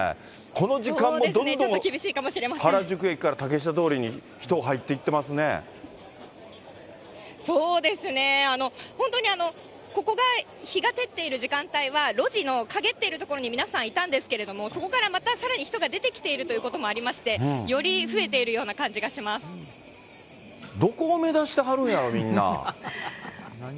この時間帯も原宿駅から竹下通りにどんどん人入っていってまそうですね、本当に、ここが日が照っている時間帯は、路地のかげっている所に皆さんいたんですけれども、そこからまた人が出てきているということもありまして、より増えているようなどこを目指してはるんやろ、みんな。